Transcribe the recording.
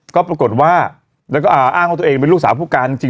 ก็ปรากฏว่าแล้วก็อ้างว่าตัวเองเป็นลูกสาวผู้การจริง